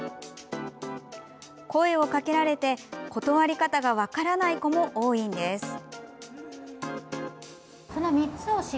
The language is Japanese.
声をかけられて断り方が分からない子も多いんです。